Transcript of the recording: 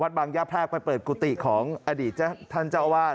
วัดบางยาพแภกไปเปิดกุฏิของอดีตท่านเจ้าว่าน